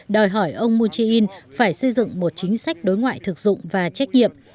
đòi hỏi ông moon jae in phải xây dựng một chính sách đối ngoại thực dụng và trách nhiệm